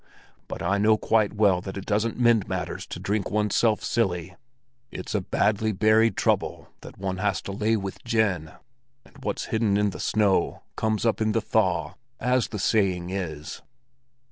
But I know quite well that it doesn't mend matters to drink one's self silly. It's a badly buried trouble that one has to lay with gin; and what's hidden in the snow comes up in the thaw, as the saying is."